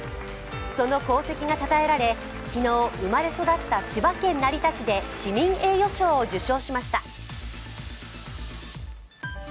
その功績がたたえられ、昨日、生まれ育った千葉県成田市で市民栄誉賞を受賞しました。